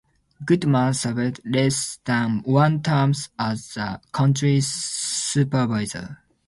Goodman served less than one term as the county supervisor.